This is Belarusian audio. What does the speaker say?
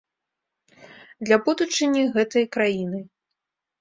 Для будучыні гэтай краіны.